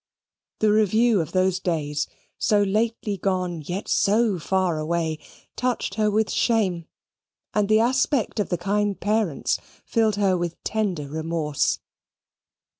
The review of those days, so lately gone yet so far away, touched her with shame; and the aspect of the kind parents filled her with tender remorse.